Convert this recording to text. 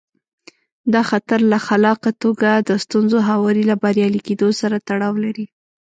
دا خطر له خلاقه توګه د ستونزو هواري له بریالي کېدو سره تړاو لري.